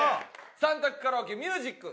３択カラオケミュージック。